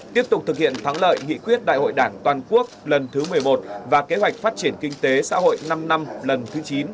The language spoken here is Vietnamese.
tiếp tục thực hiện thắng lợi nghị quyết đại hội đảng toàn quốc lần thứ một mươi một và kế hoạch phát triển kinh tế xã hội năm năm lần thứ chín